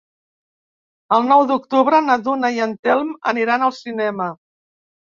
El nou d'octubre na Duna i en Telm aniran al cinema.